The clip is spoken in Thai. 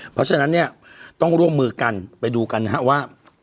เพราะฉะนั้นต้องร่วมมือกันไปดูกันว่า